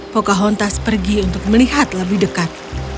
pocahontas pergi untuk melihat lebih dekat